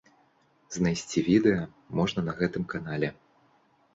Знайсці відэа можна на гэтым канале.